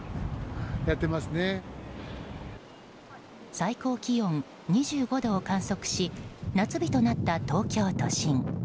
最高気温２５度を観測し夏日となった東京都心。